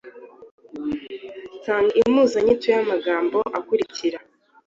Tanga impuzanyito y’amagambo akurikira: